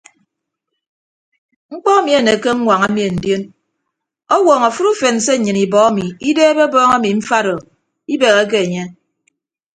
Mkpọ emi anekke aññwaña mien ndion ọwọọñọ afịt ufen se nnyịn ibọ emi ideebe ọbọọñ emi mfat o ibegheke enye.